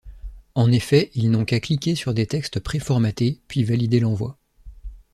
En effet, ils n’ont qu’à cliquer sur des textes pré formatés, puis valider l’envoi.